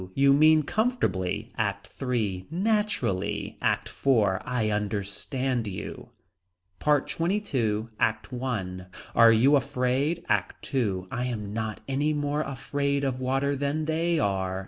You mean comfortably. ACT III. Naturally. ACT IV. I understand you. PART XXII. ACT I. Are you afraid. ACT II. I am not any more afraid of water than they are.